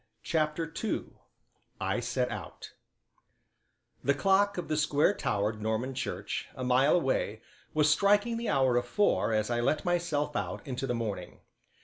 CHAPTER II I SET OUT The clock of the square towered Norman church, a mile away, was striking the hour of four as I let myself out into the morning.